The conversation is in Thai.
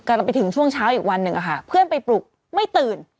เราไปถึงช่วงเช้าอีกวันหนึ่งอะค่ะเพื่อนไปปลุกไม่ตื่น